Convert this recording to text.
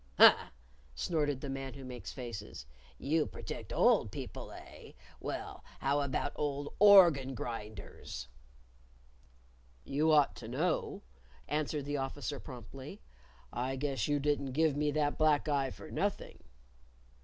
"Huh!" snorted the Man Who Makes Faces. "You protect old people, eh? Well, how about old organ grinders?" "You ought to know," answered the Officer promptly. "I guess you didn't give me that black eye for nothing."